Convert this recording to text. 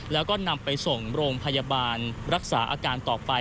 แล้วก็นำไปส่งโรงพยาบาลรักษาอาการต่อไป